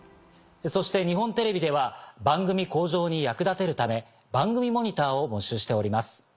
そして日本テレビでは番組向上に役立てるため番組モニターを募集しております。